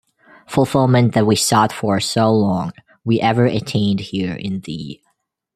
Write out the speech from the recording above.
Fulfillment that we sought for so long, we ever attain-ed here in thee.